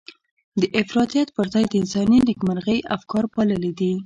د افراطيت پر ځای د انساني نېکمرغۍ افکار پاللي دي.